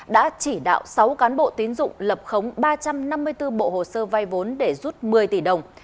đã chỉ đạo sáu cán bộ tín dụng lập khống ba trăm năm mươi bốn bộ hồ sơ vai vốn để rút một mươi tỷ đồng